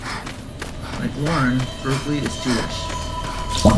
Like Lauren, Berkley is Jewish.